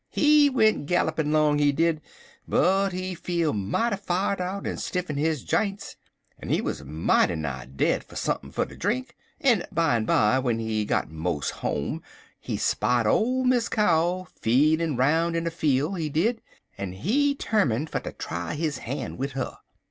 He went gallopin' 'long, he did, but he feel mighty fired out, en stiff in his jints, en he wuz mighty nigh dead for sumpin fer ter drink, en bimeby, w'en he got mos' home, he spied ole Miss Cow feedin' roun' in a fiel', he did, en he 'termin' fer ter try his han' wid 'er.